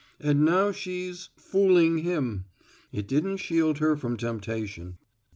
And now she's fooling him. It didn't shield her from temptation."